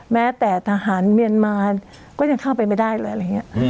แม้แต่ทหารเมียนมาก็ยังเข้าไปไม่ได้เลย